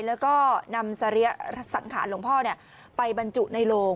แล้วก็นำสริยสังขารหลวงพ่อไปบรรจุในโลง